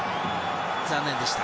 残念でした。